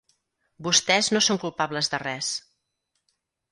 Vostès no són culpables de res.